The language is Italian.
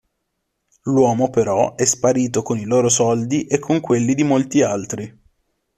L'uomo però è sparito con i loro soldi e con quelli di molti altri.